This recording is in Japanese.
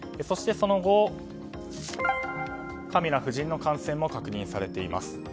そしてその後、カミラ夫人の感染も確認されています。